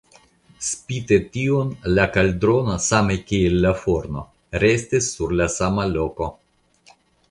Spite tion la kaldrono, same kiel la forno, restis sur la sama loko.